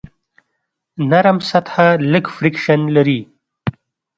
نرم سطحه لږ فریکشن لري.